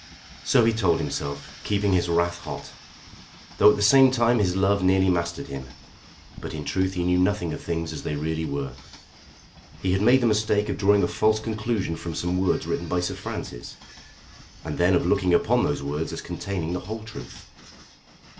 So he told himself, keeping his wrath hot, though at the same time his love nearly mastered him. But in truth he knew nothing of things as they really were. He had made the mistake of drawing a false conclusion from some words written by Sir Francis, and then of looking upon those words as containing the whole truth.